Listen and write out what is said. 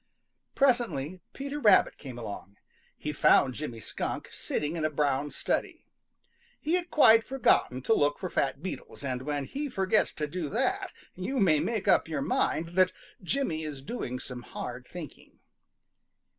Presently Peter Rabbit came along. He found Jimmy Skunk sitting in a brown study. He had quite forgotten to look for fat beetles, and when he forgets to do that you may make up your mind that Jimmy is doing some hard thinking.